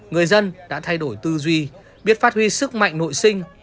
người dân đã thay đổi tư duy biết phát huy sức mạnh nội sinh